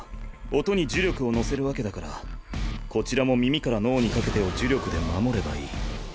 音に呪力を乗せるわけだからこちらも耳から脳にかけてを呪力で守ればいい。